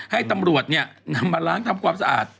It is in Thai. ให้ตำรวจนำมาล้างทำความสะอาด